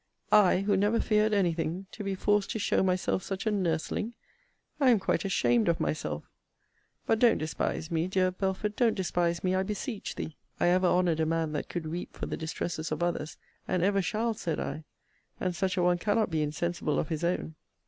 I, who never feared any thing, to be forced to show myself such a nursling! I am quite ashamed of myself! But don't despise me; dear Belford, don't despise me, I beseech thee. I ever honoured a man that could weep for the distresses of others; and ever shall, said I; and such a one cannot be insensible of his own.